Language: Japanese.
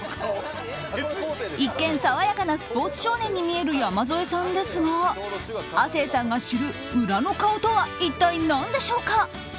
一見爽やかなスポーツ少年に見える山添さんですが亜生さんが知る、裏の顔とは一体何でしょうか。